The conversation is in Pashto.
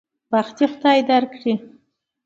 بخت دې خدای درکړي.